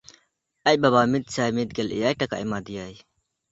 ᱟᱡ ᱵᱟᱵᱟ ᱢᱤᱫᱥᱟᱭ ᱢᱤᱫᱜᱮᱞ ᱮᱭᱟᱭ ᱴᱟᱠᱟ ᱮᱢᱟ ᱫᱮᱭᱟᱭ᱾